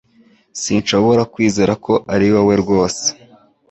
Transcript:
Sinshobora kwizera ko ariwowe rwose